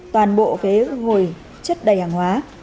toàn bộ ghế ngồi chất đầy hàng hóa